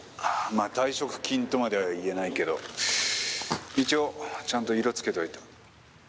「まあ退職金とまでは言えないけど一応ちゃんと色つけといた」